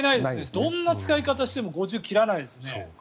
どんな使い方しても５０％は切らないですね。